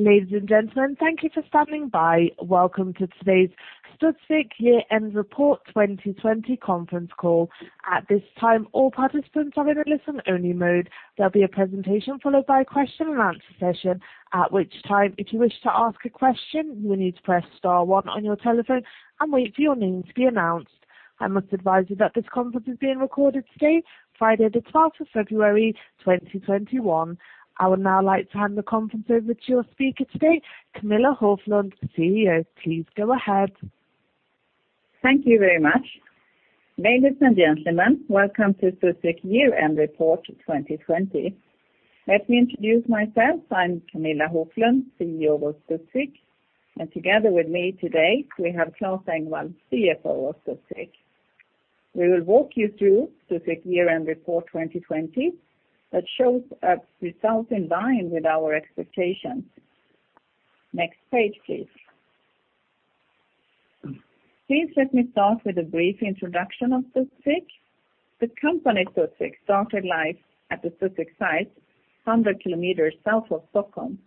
Ladies and gentlemen, thank you for standing by. Welcome to today's Studsvik Year-End Report 2020 conference call. At this time, all participants are in a listen-only mode. There will be a presentation followed by a question and answer session, at this time, if you wish to ask a question, you will need to press star one on your telephone and wait for your name to be announced. I must advise you that this conference is being recorded today, Friday, the 12th of February 2021. I would now like to hand the conference over to your speaker today, Camilla Hoflund, CEO. Please go ahead. Thank you very much. Ladies and gentlemen, welcome to Studsvik Year-End Report 2020. Let me introduce myself. I'm Camilla Hoflund, CEO of Studsvik, and together with me today, we have Claes Engvall, CFO of Studsvik. We will walk you through Studsvik Year-End Report 2020 that shows a result in line with our expectations. Next page, please. Please let me start with a brief introduction of Studsvik. The company Studsvik started life at the Studsvik site, 100 km south of Stockholm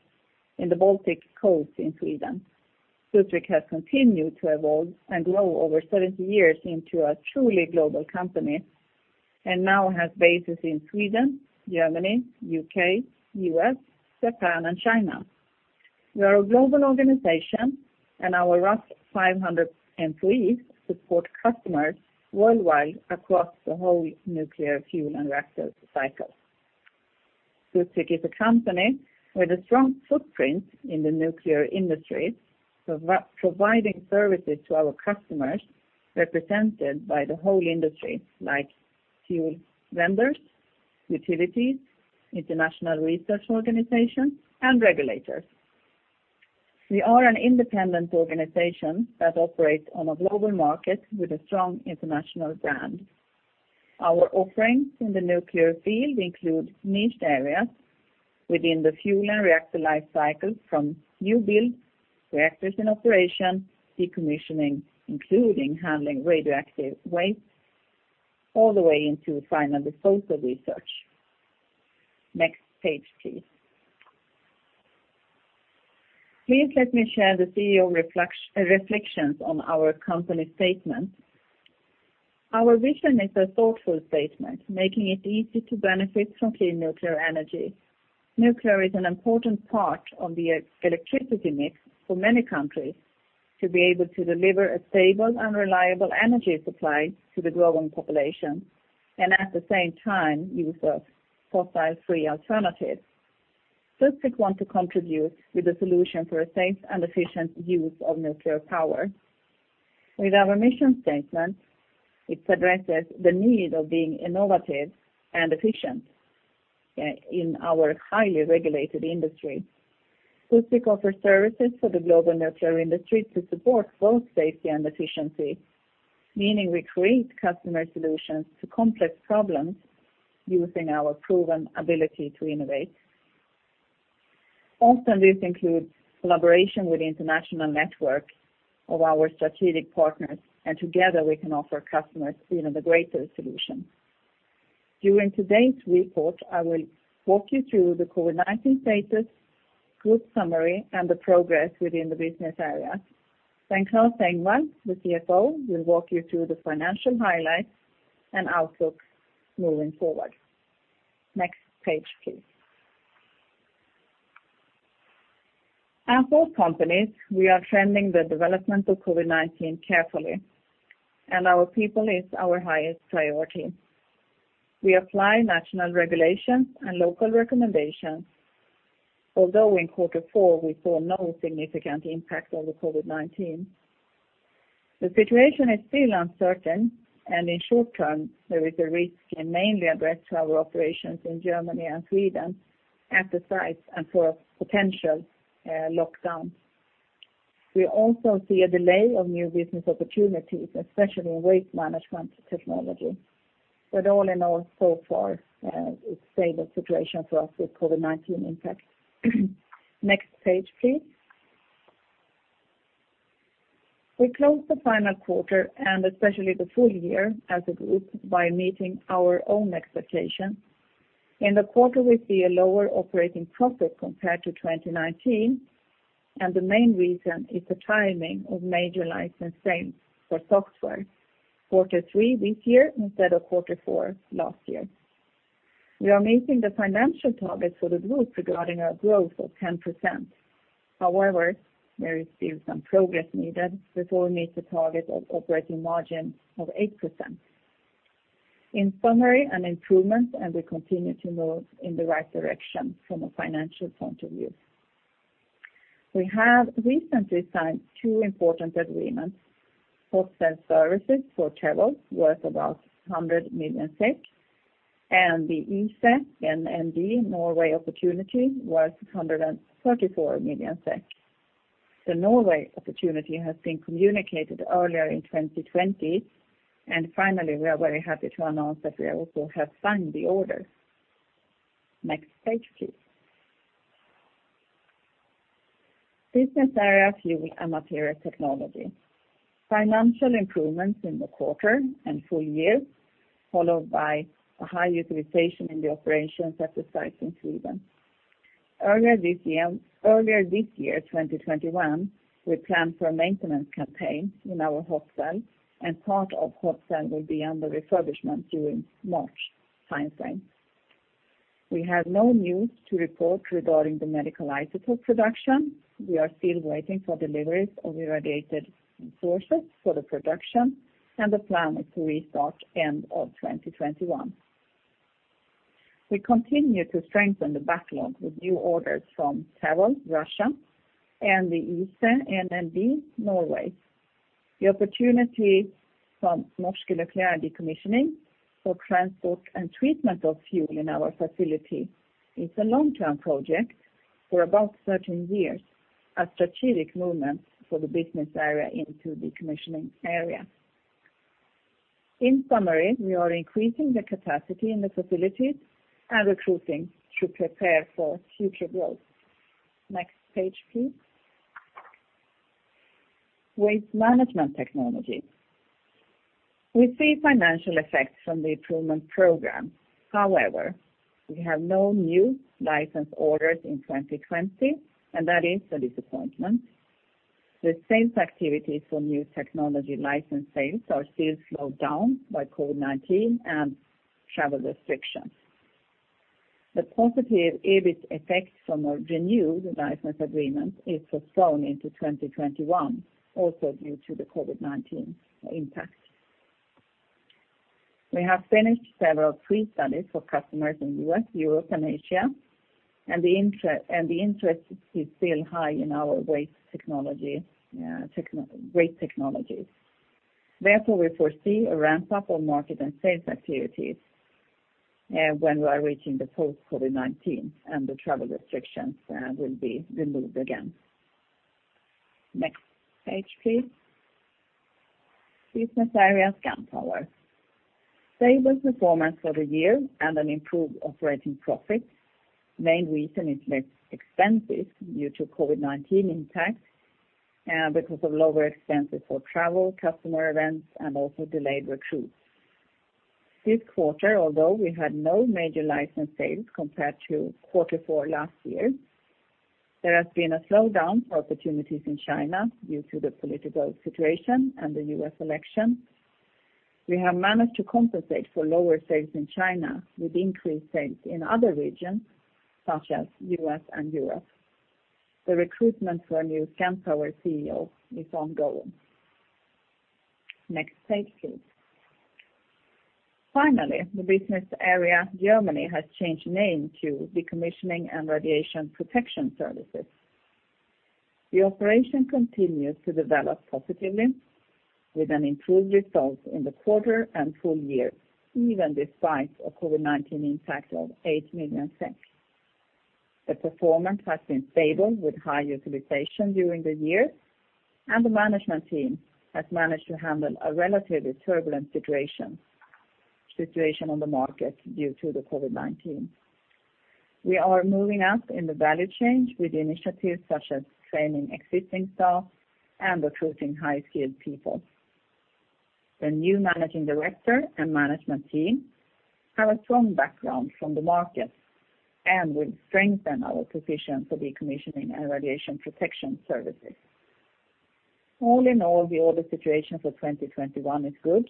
in the Baltic Coast in Sweden. Studsvik has continued to evolve and grow over 70 years into a truly global company and now has bases in Sweden, Germany, U.K., U.S., Japan, and China. We are a global organization, and our rough 500 employees support customers worldwide across the whole nuclear fuel and reactor cycle. Studsvik is a company with a strong footprint in the nuclear industry, providing services to our customers represented by the whole industry, like fuel vendors, utilities, international research organizations, and regulators. We are an independent organization that operates on a global market with a strong international brand. Our offerings in the nuclear field include niched areas within the fuel and reactor life cycle from new build reactors in operation, decommissioning, including handling radioactive waste, all the way into final disposal research. Next page, please. Please let me share the CEO reflections on our company statement. Our vision is a thoughtful statement, making it easy to benefit from clean nuclear energy. Nuclear is an important part of the electricity mix for many countries to be able to deliver a stable and reliable energy supply to the growing population and at the same time, use a fossil-free alternative. Studsvik want to contribute with a solution for a safe and efficient use of nuclear power. With our mission statement, it addresses the need of being innovative and efficient in our highly regulated industry. Studsvik offer services for the global nuclear industry to support both safety and efficiency, meaning we create customer solutions to complex problems using our proven ability to innovate. Often, this includes collaboration with the international network of our strategic partners. Together we can offer customers even a greater solution. During today's report, I will walk you through the COVID-19 status, group summary, and the progress within the business area. Claes Engvall, the CFO, will walk you through the financial highlights and outlook moving forward. Next page, please. As all companies, we are trending the development of COVID-19 carefully, and our people is our highest priority. We apply national regulations and local recommendations. In quarter four, we saw no significant impact of the COVID-19. The situation is still uncertain. In short-term, there is a risk mainly addressed to our operations in Germany and Sweden at the sites and for potential lockdown. We also see a delay of new business opportunities, especially in Waste Management Technology. All in all, so far, it's stable situation for us with COVID-19 impact. Next page, please. We closed the final quarter and especially the full year as a group by meeting our own expectation. In the quarter, we see a lower operating profit compared to 2019. The main reason is the timing of major license sales for software, quarter three this year instead of quarter four last year. We are meeting the financial target for the group regarding our growth of 10%. There is still some progress needed before we meet the target of operating margin of 8%. In summary, an improvement, and we continue to move in the right direction from a financial point of view. We have recently signed two important agreements, hot cell services for TVO worth about 100 million SEK and the [YSA] NND Norway opportunity worth 134 million SEK. The Norway opportunity has been communicated earlier in 2020, and finally, we are very happy to announce that we also have signed the order. Next page, please. Business area, Fuel and Materials Technology. Financial improvements in the quarter and full year, followed by a high utilization in the operations at the site in Sweden. Earlier this year, 2021, we planned for a maintenance campaign in our hot cell, and part of hot cell will be under refurbishment during March timeframe. We have no news to report regarding the medical isotope production. We are still waiting for deliveries of irradiated sources for the production, and the plan is to restart end of 2021. We continue to strengthen the backlog with new orders from [Tero], Russia, and the Eastern NND, Norway. The opportunity from Norsk Nukleær Dekommisjonering for transport and treatment of fuel in our facility is a long-term project for about 13 years, a strategic movement for the business area into the decommissioning area. In summary, we are increasing the capacity in the facilities and recruiting to prepare for future growth. Next page, please. Waste Management Technology. However, we have no new license orders in 2020, and that is a disappointment. The sales activities for new technology license sales are still slowed down by COVID-19 and travel restrictions. The positive EBITDA effects from our renewed license agreement is postponed into 2021, also due to the COVID-19 impact. We have finished several pre-studies for customers in U.S., Europe, and Asia, and the interest is still high in our waste technologies. Therefore, we foresee a ramp-up of market and sales activities when we are reaching the post-COVID-19 and the travel restrictions will be removed again. Next page, please. Business area Scandpower. Stable performance for the year and an improved operating profit. Main reason is less expenses due to COVID-19 impact and because of lower expenses for travel, customer events, and also delayed recruits. This quarter, although we had no major license sales compared to Q4 last year, there has been a slowdown for opportunities in China due to the political situation and the U.S. election. We have managed to compensate for lower sales in China with increased sales in other regions such as U.S. and Europe. The recruitment for a new Scandpower CEO is ongoing. Next page, please. The business area Germany has changed name to Decommissioning and Radiation Protection Services. The operation continues to develop positively with an improved result in the quarter and full year, even despite a COVID-19 impact of 8 million. The performance has been stable with high utilization during the year, and the management team has managed to handle a relatively turbulent situation on the market due to the COVID-19. We are moving up in the value chain with initiatives such as training existing staff and recruiting high-skilled people. The new managing director and management team have a strong background from the market and will strengthen our position for Decommissioning and Radiation Protection Services. All in all, the order situation for 2021 is good,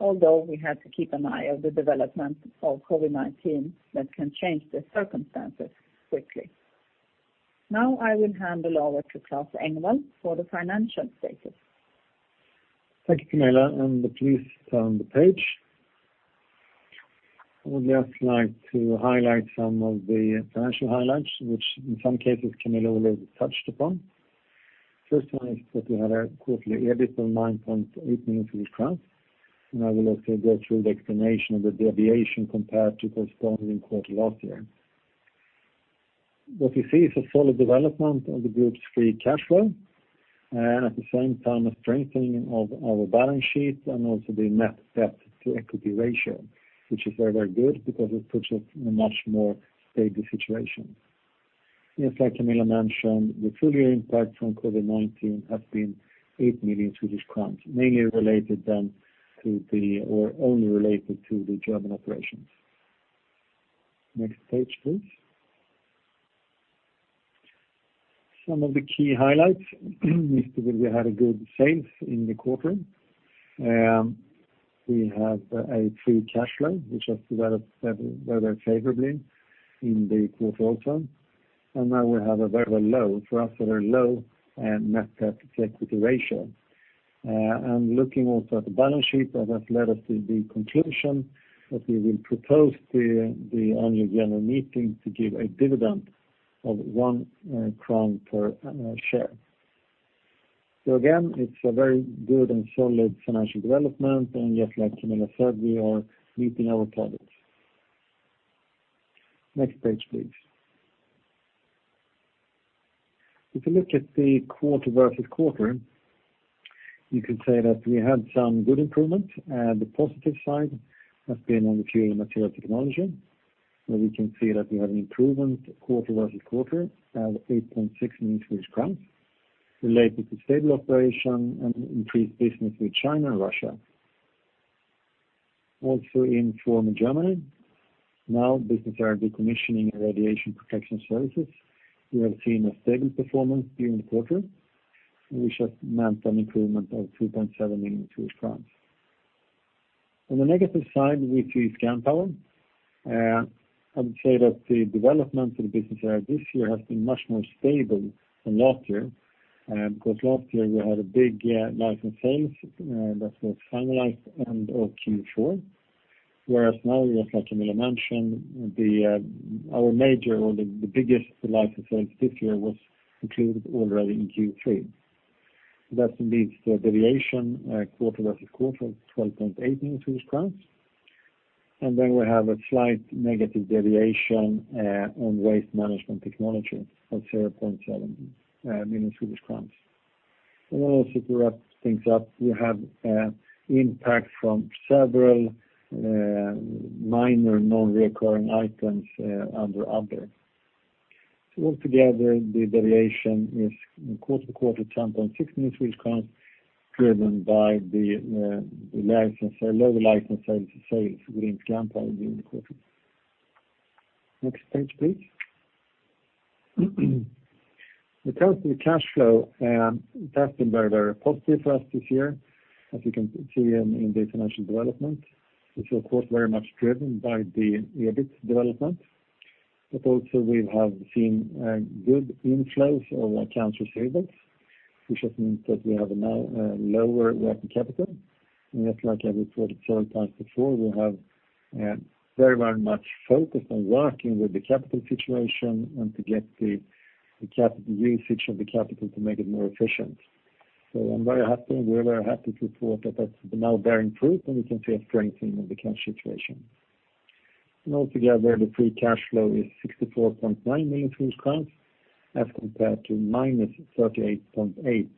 although we have to keep an eye on the development of COVID-19 that can change the circumstances quickly. I will hand it over to Claes Engvall for the financial status. Thank you, Camilla. Please turn the page. I would just like to highlight some of the financial highlights, which in some cases, Camilla will have touched upon. First one is that we had a quarterly EBITDA of 9.8 million crowns. I will also go through the explanation of the deviation compared to corresponding quarter last year. What we see is a solid development of the group's free cash flow. At the same time, a strengthening of our balance sheet and also the net debt to equity ratio, which is very good because it puts us in a much more stable situation. Just like Camilla mentioned, the full-year impact from COVID-19 has been 8 million Swedish crowns, mainly related then or only related to the German operations. Next page, please. Some of the key highlights is that we had a good sales in the quarter. We have a free cash flow, which has developed very favorably in the quarter also. Now we have a very low, for us, a very low net debt to equity ratio. Looking also at the balance sheet, that has led us to the conclusion that we will propose to the annual general meeting to give a dividend of 1 crown per share. Again, it's a very good and solid financial development. Just like Camilla said, we are meeting our targets. Next page, please. If you look at the quarter-versus-quarter. You could say that we had some good improvement. The positive side has been on the Fuel and Materials Technology, where we can see that we have an improvement quarter-versus-quarter of 8.6 million Swedish crowns related to stable operation and increased business with China and Russia. In former Germany, now business area Decommissioning and Radiation Protection Services, we have seen a stable performance during the quarter, which has meant an improvement of 2.7 million. On the negative side, we see Scandpower. I would say that the development for the business area this year has been much more stable than last year. Last year we had a big license sale that was finalized end of Q4, whereas now, just like Camilla mentioned, our major or the biggest license sale this year was included already in Q3. That leads to a deviation quarter-versus-quarter of 12.8 million Swedish crowns. We have a slight negative deviation on Waste Management Technology of 0.7 million Swedish crowns. To wrap things up, we have impact from several minor non-recurring items under other. Altogether, the deviation is quarter-to-quarter 10.6 million, driven by the lower license sales within Scandpower during the quarter. Next page, please. When it comes to the cash flow, that's been very positive for us this year, as you can see in the financial development. It's, of course, very much driven by the EBITDA development. Also we have seen good inflows of accounts receivables, which means that we have a now lower working capital. Just like I reported several times before, we have very much focused on working with the capital situation and to get the usage of the capital to make it more efficient. I'm very happy, we're very happy to report that that's now bearing fruit, and we can see a strengthening of the cash situation. Altogether, the free cash flow is SEK 64.9 million as compared to -38.8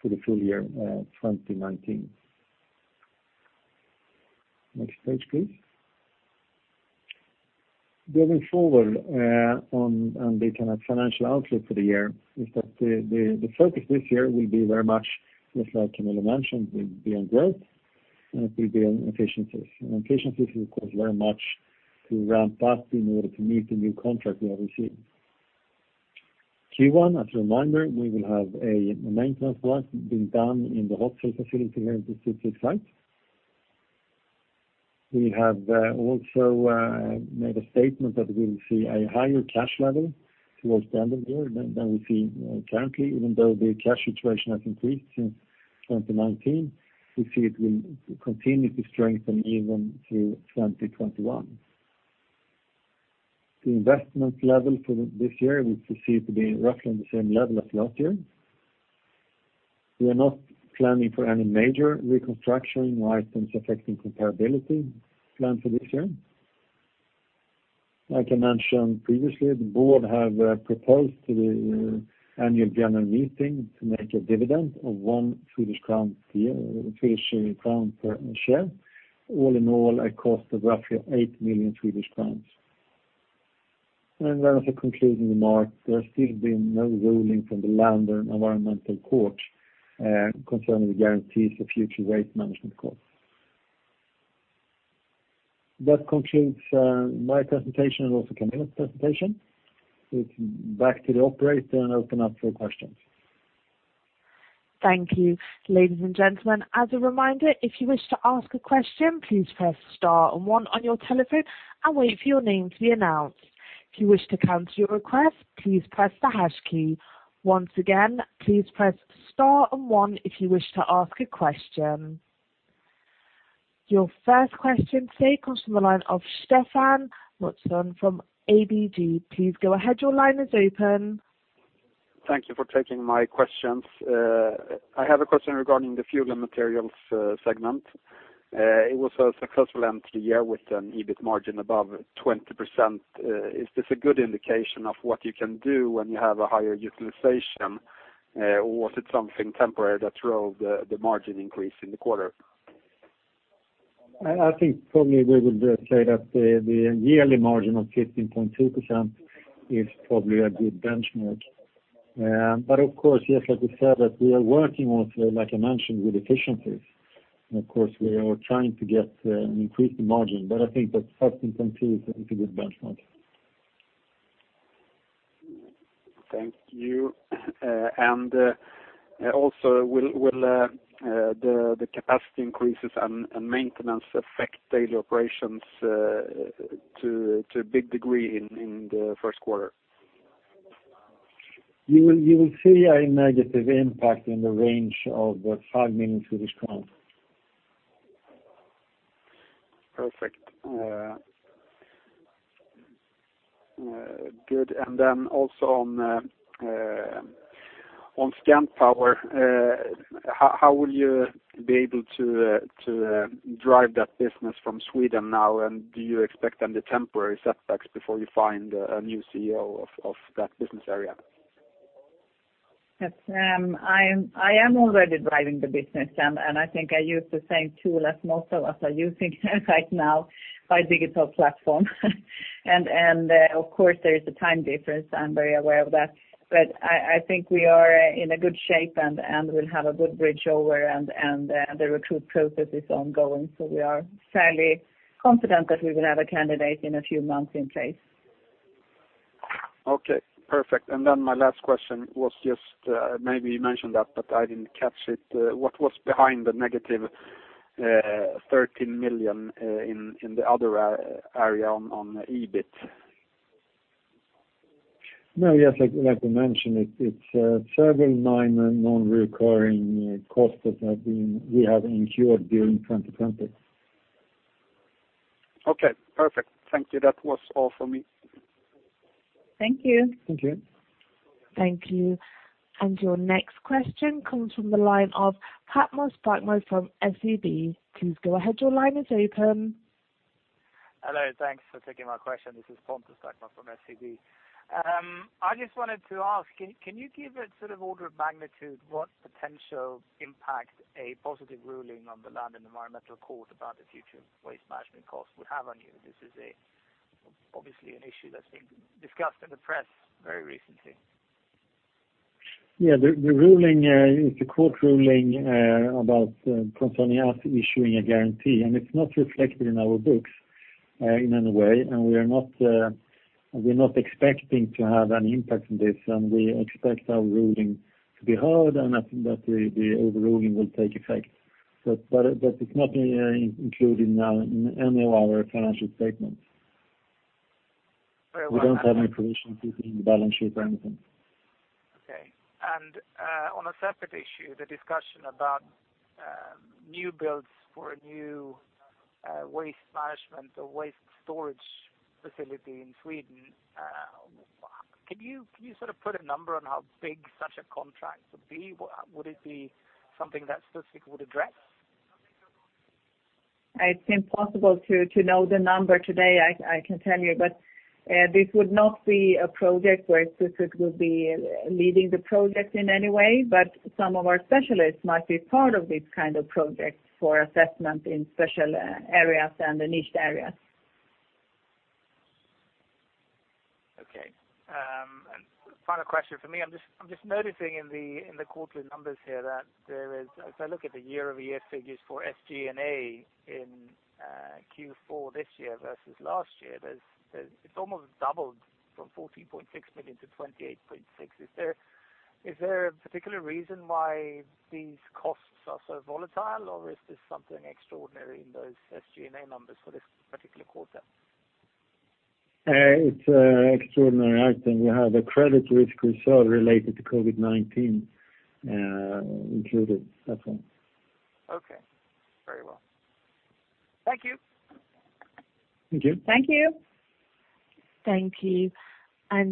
for the full year 2019. Next page, please. Going forward on the financial outlook for the year is that the focus this year will be very much, just like Camilla mentioned, will be on growth and it will be on efficiencies. Efficiencies is, of course, very much to ramp up in order to meet the new contract we have received. Q1, as a reminder, we will have a maintenance work being done in the hot cell facility here in the Studsvik site. We have also made a statement that we will see a higher cash level towards the end of the year than we see currently, even though the cash situation has increased since 2019, we see it will continue to strengthen even through 2021. The investment level for this year, we foresee it to be roughly on the same level as last year. We are not planning for any major reconstruction or items affecting comparability planned for this year. Like I mentioned previously, the board have proposed to the annual general meeting to make a dividend of 1 Swedish crown per share. All in all, a cost of roughly 8 million Swedish crowns. Concluding remarks, there has still been no ruling from the Land and Environmental Court concerning the guarantees for future waste management costs. That concludes my presentation and also Camilla's presentation. It's back to the operator and open up for questions. Thank you. Ladies and gentlemen, as a reminder, if you wish to ask a question, please press star and one on your telephone and wait for your name to be announced. If you wish to cancel your request, please press the hash key. Once again, please press star and one if you wish to ask a question. Your first question today comes from the line of Stefan Knutsson from ABG Sundal Collier. Please go ahead. Your line is open. Thank you for taking my questions. I have a question regarding the Fuel and Materials segment. It was a successful end to the year with an EBITDA margin above the 20%. Is this a good indication of what you can do when you have a higher utilization? Was it something temporary that drove the margin increase in the quarter? I think probably we would say that the yearly margin of 15.2% is probably a good benchmark. Of course, yes, like we said, that we are working also, like I mentioned, with efficiencies. Of course, we are trying to get an increased margin. I think that 15.2% is a good benchmark. Thank you. Also, will the capacity increases and maintenance affect daily operations to a big degree in the first quarter? You will see a negative impact in the range of 5 million Swedish crowns. Perfect. Good. Also on Scandpower, how will you be able to drive that business from Sweden now, and do you expect any temporary setbacks before you find a new CEO of that business area? Yes. I am already driving the business, and I think I use the same tool as most of us are using right now, by digital platform. Of course, there is a time difference. I'm very aware of that. I think we are in a good shape, and we'll have a good bridge over, and the recruit process is ongoing. We are fairly confident that we will have a candidate in a few months in place. Okay, perfect. My last question was, maybe you mentioned that, but I didn't catch it. What was behind the -13 million in the other area on EBITDA? No. Yes, like we mentioned, it's several minor non-reoccurring costs that we have incurred during 2020. Okay, perfect. Thank you. That was all for me. Thank you. Thank you. Thank you. Your next question comes from the line of Patmos Patmos from SEB. Please go ahead. Your line is open. Hello. Thanks for taking my question. This is Patmos from SEB. I just wanted to ask, can you give a sort of order of magnitude what potential impact a positive ruling on the Land and Environmental Court about the future waste management costs would have on you? This is obviously an issue that's been discussed in the press very recently. Yeah. The court ruling about concerning us issuing a guarantee, it's not reflected in our books in any way. We are not expecting to have any impact from this, and we expect our ruling to be heard, and that the overruling will take effect. It's not included in any of our financial statements. Very well. We don't have any provisions within the balance sheet or anything. Okay. On a separate issue, the discussion about new builds for a new waste management or waste storage facility in Sweden, can you sort of put a number on how big such a contract would be? Would it be something that Studsvik would address? It's impossible to know the number today, I can tell you. This would not be a project where Studsvik would be leading the project in any way. Some of our specialists might be part of this kind of project for assessment in special areas and the niched areas. Okay. Final question from me. I'm just noticing in the quarterly numbers here. If I look at the year-over-year figures for SG&A in Q4 this year versus last year, it's almost doubled from 14.6 million-28.6. Is there a particular reason why these costs are so volatile, or is this something extraordinary in those SG&A numbers for this particular quarter? It's extraordinary item. We have a credit risk reserve related to COVID-19 included, that's all. Okay. Very well. Thank you. Thank you. Thank you. Thank you.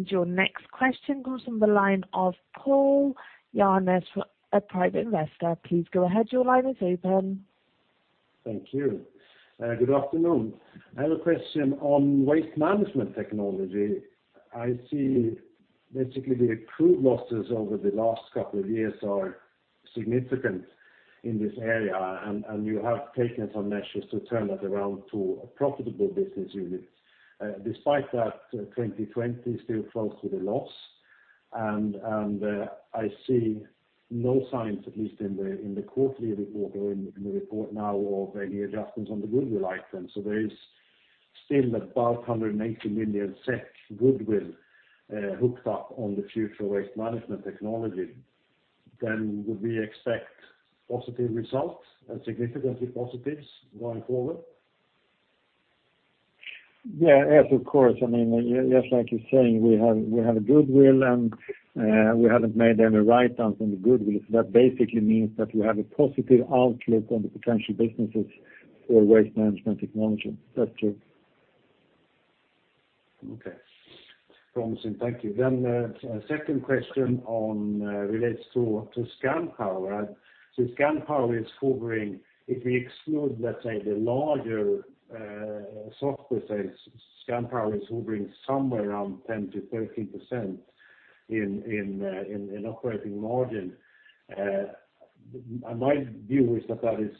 Your next question comes from the line of Paul Janes from a private investor. Please go ahead. Your line is open. Thank you. Good afternoon. I have a question on Waste Management Technology. I see basically the accrued losses over the last couple of years are significant in this area, and you have taken some measures to turn that around to a profitable business unit. Despite that, 2020 still fell to the loss, and I see no signs, at least in the quarterly report or in the report now of any adjustments on the goodwill item. There is still about 180 million SEK goodwill hooked up on the future Waste Management Technology. Would we expect positive results, significantly positives going forward? Yeah. As of course, just like you're saying, we have a goodwill, and we haven't made any write-downs on the goodwill. That basically means that we have a positive outlook on the potential businesses for Waste Management Technology. That's true. Okay. Promising. Thank you. Second question relates to Scandpower. Scandpower is hovering. If we exclude, let's say, the larger software sales, Scandpower is hovering somewhere around 10%-13% in operating margin. My view is that is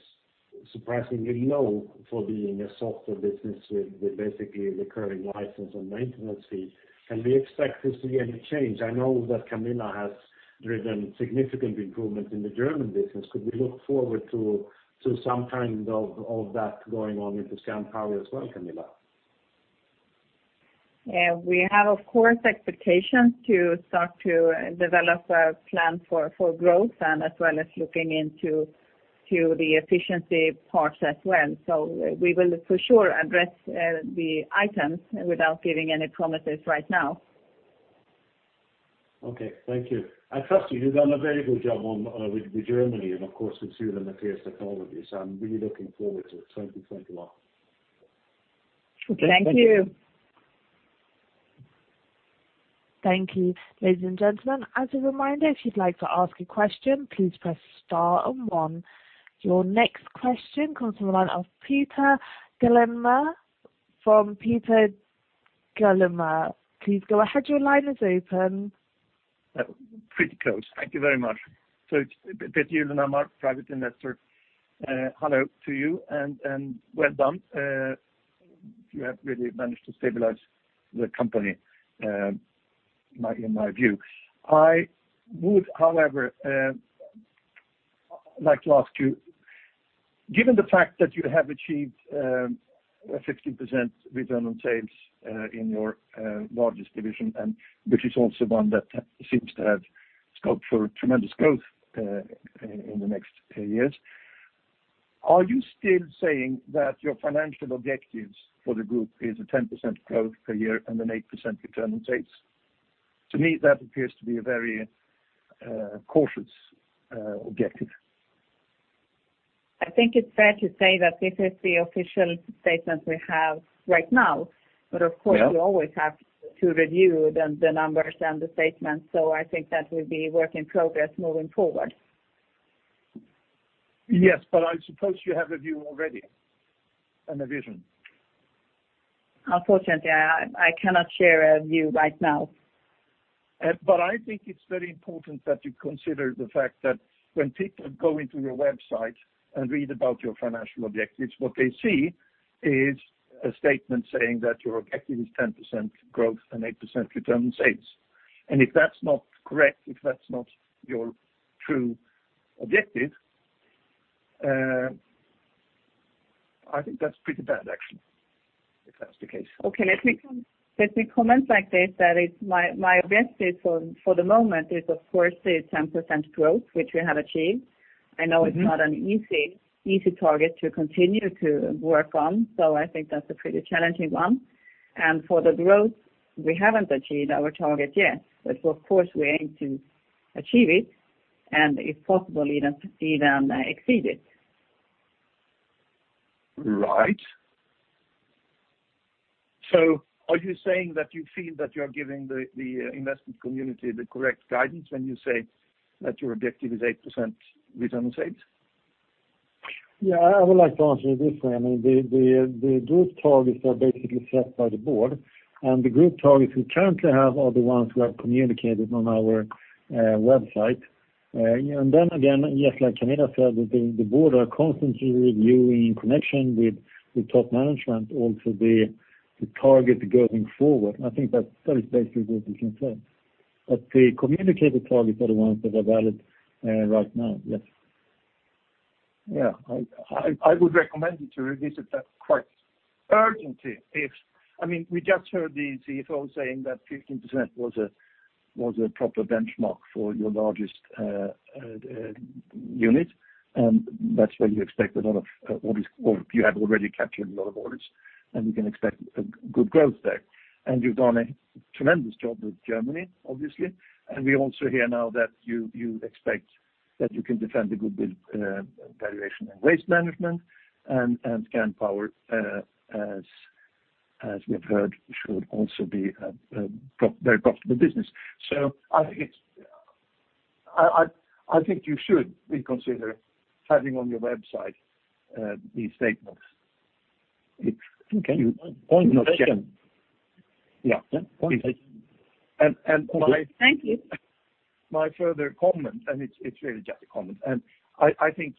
surprisingly low for being a software business with basically recurring license and maintenance fee. Can we expect to see any change? I know that Camilla has driven significant improvement in the German business. Could we look forward to some kind of that going on into Scandpower as well, Camilla? Yeah. We have, of course, expectations to start to develop a plan for growth and as well as looking into the efficiency parts as well. We will for sure address the items without giving any promises right now. Okay. Thank you. I trust you. You've done a very good job with Germany and, of course, with Fuel and Materials Technology. I'm really looking forward to 2021. Okay. Thank you. Thank you. Ladies and gentlemen, as a reminder, if you'd like to ask a question, please press star and one. Your next question comes from the line of Peter Gyllenhammar from Peter Gyllenhammar AB, please go ahead. Your line is open. Pretty close. Thank you very much. It's Peter Gyllenhammar, private investor. Hello to you, and well done. You have really managed to stabilize the company, in my view. I would, however, like to ask you, given the fact that you have achieved a 15% return on sales in your largest division, and which is also one that seems to have scope for tremendous growth in the next years, are you still saying that your financial objectives for the group is a 10% growth per year and an 8% return on sales? To me, that appears to be a very cautious objective. I think it's fair to say that this is the official statement we have right now. Yeah. Of course, we always have to review the numbers and the statements, so I think that will be work in progress moving forward. Yes, I suppose you have a view already and a vision. Unfortunately, I cannot share a view right now. I think it's very important that you consider the fact that when people go into your website and read about your financial objectives, what they see is a statement saying that your objective is 10% growth and 8% return on sales. If that's not correct, if that's not your true objective, I think that's pretty bad action, if that's the case. Let me comment like this, that my objective for the moment is, of course, the 10% growth, which we have achieved. I know it's not an easy target to continue to work on, I think that's a pretty challenging one. For the growth, we haven't achieved our target yet. Of course, we aim to achieve it, and if possible, even exceed it. Right. Are you saying that you feel that you are giving the investment community the correct guidance when you say that your objective is 8% return on sales? Yeah, I would like to answer it this way. I mean, the group targets are basically set by the board, and the group targets we currently have are the ones we have communicated on our website. Then again, yes, like Camilla said, the board are constantly reviewing connection with top management, also the target going forward. I think that is basically what we can say. The communicated targets are the ones that are valid right now. Yes. Yeah. I would recommend you to revisit that quite urgently. We just heard the CFO saying that 15% was a proper benchmark for your largest unit, and that's where you expect a lot of orders. You have already captured a lot of orders, and you can expect a good growth there. You've done a tremendous job with Germany, obviously. We also hear now that you expect that you can defend a good valuation in Waste Management, and Scandpower, as we've heard, should also be a very profitable business. I think you should reconsider having on your website these statements. Okay. Point taken. Yeah. Yeah. Point taken. And my- Thank you. My further comment, and it's really just a comment. I think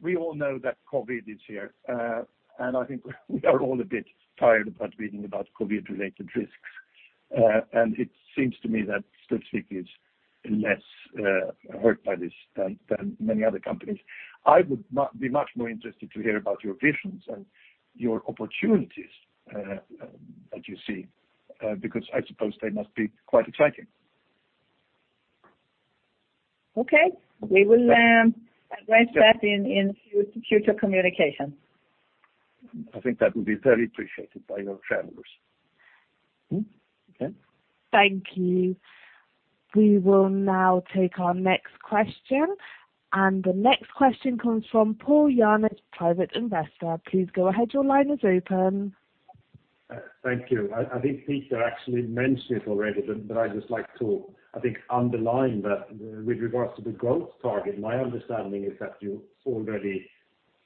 we all know that COVID is here, and I think we are all a bit tired about reading about COVID-related risks. It seems to me that Studsvik is less hurt by this than many other companies. I would be much more interested to hear about your visions and your opportunities that you see, because I suppose they must be quite exciting. Okay. We will address that in future communication. I think that would be very appreciated by your shareholders. Okay. Thank you. We will now take our next question, and the next question comes from Paul Janes, private investor. Please go ahead. Your line is open. Thank you. I think Peter actually mentioned it already, but I'd just like to, I think, underline that with regards to the growth target, my understanding is that you already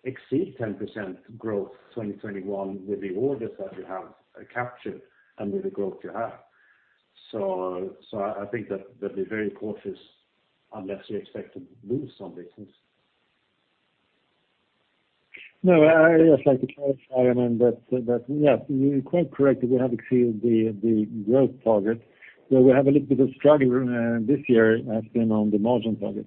exceed 10% growth 2021 with the orders that you have captured and with the growth you have. I think that they're very cautious unless you expect to lose some business. No, I'd just like to clarify, that, yeah, you're quite correct that we have exceeded the growth target. Where we have a little bit of struggle this year has been on the margin target.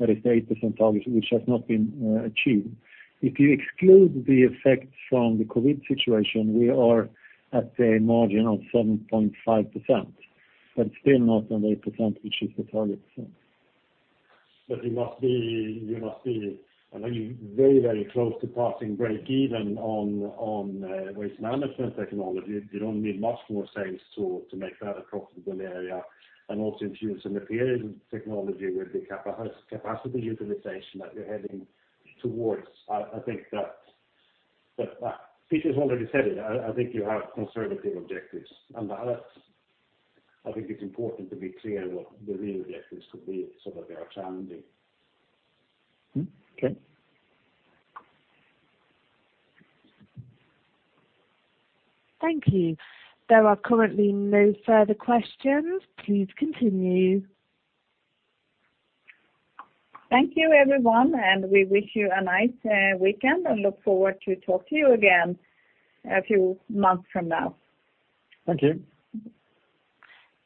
That is the 8% target, which has not been achieved. If you exclude the effect from the COVID situation, we are at a margin of 7.5%, but still not on 8%, which is the target, so. You must be very close to passing break even on Waste Management Technology. You don't need much more sales to make that a profitable area, and also Fuel and Materials Technology with the capacity utilization that you're heading towards. I think that Peter's already said it. I think you have conservative objectives. That, I think it's important to be clear what the real objectives could be so that they are challenging. Okay. Thank you. There are currently no further questions. Please continue. Thank you, everyone. We wish you a nice weekend and look forward to talk to you again a few months from now. Thank you.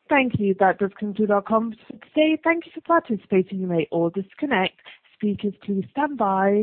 Thank you. That does conclude our conference today. Thank you for participating. You may all disconnect. Speakers, please standby